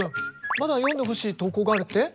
まだ読んでほしい投稿があるって？